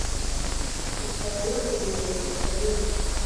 gusa yayoboye mu bihe bikomeye